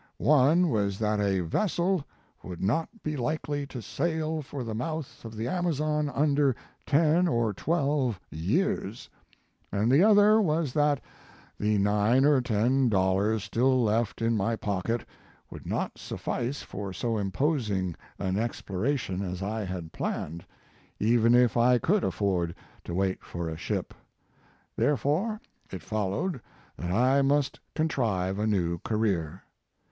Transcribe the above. One was that a vessel would not be likely to sail 32 Mark Twain for the mouth of the Amazon under ten or twelve years; and the other was that the nine or ten dollars still left in my pocket would not suffice for so imposing an exploration as I had planned, even if I could afford to wait for a ship. There fore it followed that I must contrive a new career.